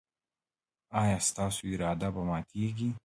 ایا ستاسو اراده به ماتیږي؟